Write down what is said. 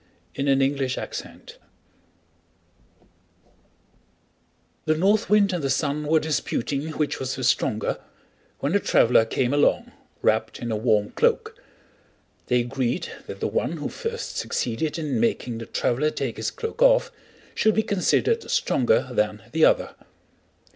Orthographic version The North Wind and the Sun were disputing which was the stronger, when a traveler came along wrapped in a warm cloak. They agreed that the one who first succeeded in making the traveler take his cloak off should be considered stronger than the other.